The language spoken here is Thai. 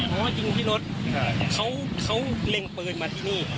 เขาแลงเปิดมาที่นี่